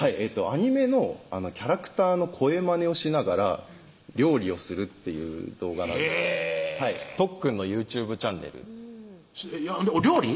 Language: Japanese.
アニメのキャラクターの声マネをしながら料理をするっていう動画なんですけど「とっくんのＹｏｕＴｕｂｅチャンネル」料理？